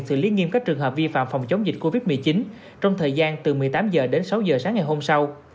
xử lý nghiêm các trường hợp vi phạm phòng chống dịch covid một mươi chín trong thời gian từ một mươi tám h đến sáu h sáng ngày hôm sau